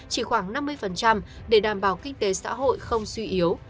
chỉ khoảng năm mươi để đảm bảo kinh tế xã hội không suy yếu